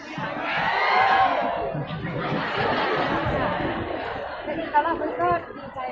เวลาแรกพี่เห็นแวว